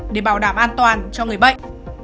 để bảo đảm an toàn cho người bệnh